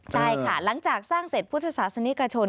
ใช่ค่ะหลังจากสร้างเสร็จพุทธศาสนิกชน